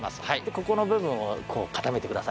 ここの部分をこう固めてください。